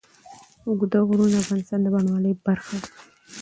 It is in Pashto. اوږده غرونه د افغانستان د بڼوالۍ برخه ده.